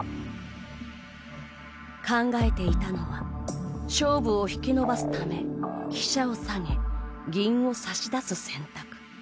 考えていたのは勝負を引き延ばすため飛車を下げ、銀を差し出す選択。